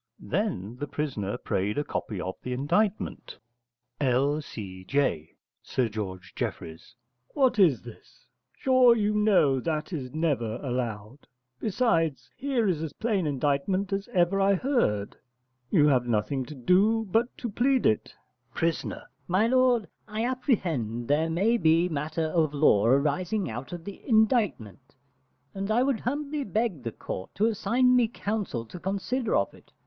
Then the prisoner prayed a copy of the indictment. L.C.J. (Sir George Jeffreys). What is this? Sure you know that is never allowed. Besides, here is a plain indictment as ever I heard; you have nothing to do but to plead to it. Pris. My lord, I apprehend there may be matter of law arising out of the indictment, and I would humbly beg the court to assign me counsel to consider of it.